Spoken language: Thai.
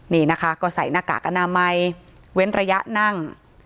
นี่นะคะก็ใส่หน้ากากอนามัยเว้นระยะนั่ง